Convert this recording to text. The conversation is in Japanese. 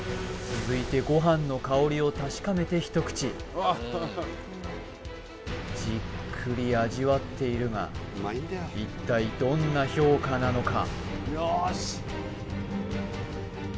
続いてご飯の香りを確かめて一口じっくり味わっているが一体どんな評価なのか？